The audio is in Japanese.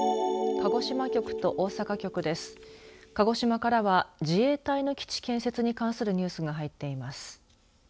鹿児島からは自衛隊の基地建設に関するニュースが入っています。